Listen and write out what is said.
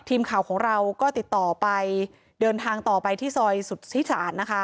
ทีมข่าวของเราก็ติดต่อไปเดินทางต่อไปที่ซอยสุธิศาลนะคะ